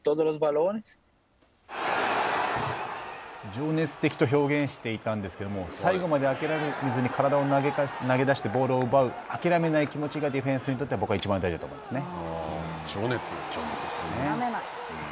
情熱的と表現していたんですけど最後まで諦めずに体を投げ出してボールを奪う諦めない気持ちがディフェンスにとってはいちばん大事だと僕は思うんですよね。